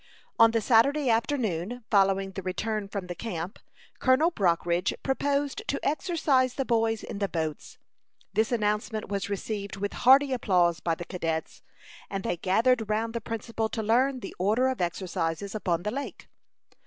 On the Saturday afternoon following the return from the camp, Colonel Brockridge proposed to exercise the boys in the boats. This announcement was received with hearty applause by the cadets, and they gathered round the principal to learn the order of exercises upon the lake.